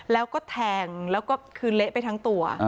แล้วก็แทงแล้วก็คือเละไปทั้งตัว